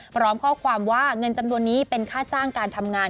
พร้อมข้อความว่าเงินจำนวนนี้เป็นค่าจ้างการทำงาน